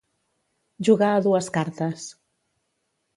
Jugar a dues cartes.